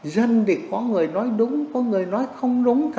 dân thì có người nói đúng có người nói không đúng cả